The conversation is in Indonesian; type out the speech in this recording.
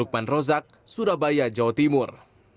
lukman rozak surabaya jawa timur